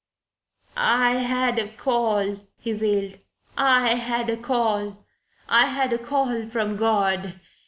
"I had a call," he wailed. "I had a call. I had a call from God.